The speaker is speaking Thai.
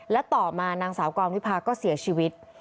และต่อมานางสาวกรวิพาก็เสียชีวิต